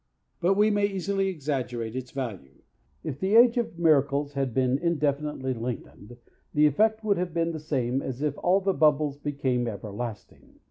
But we may easily exaggerate its value. If the age of miracles had been indefinitely lengthened, the effect would have been the same as if all the bubbles became everlasting.